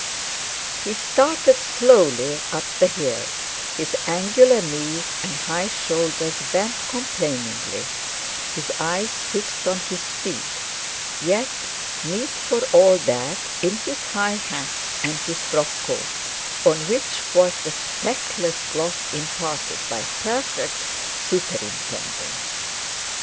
He started slowly up the hill, his angular knees and high shoulders bent complainingly, his eyes fixed on his feet, yet, neat for all that, in his high hat and his frock coat, on which was the speckless gloss imparted by perfect superintendence.